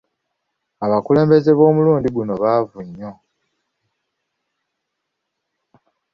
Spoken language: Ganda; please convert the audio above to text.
Abakulembeze b'omulundi guno baavu nnyo.